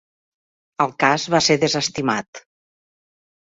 El cas va ser desestimat.